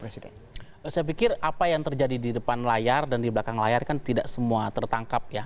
saya pikir apa yang terjadi di depan layar dan di belakang layar kan tidak semua tertangkap ya